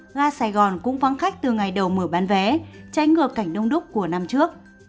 nga sài gòn cũng vắng khách từ ngày đầu mở bán vé tránh ngược cảnh đông đúc của năm trước